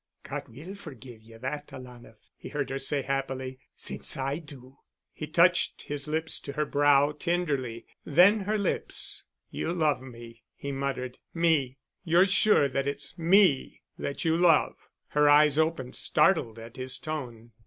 "God will forgive you that, alanah," he heard her say happily, "since I do." He touched his lips to her brow tenderly ... then her lips. "You love me," he muttered. "Me? You're sure that it's me that you love?" Her eyes opened, startled at his tone.